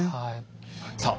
さあ